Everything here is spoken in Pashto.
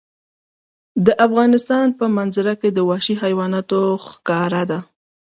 د افغانستان په منظره کې وحشي حیوانات ښکاره ده.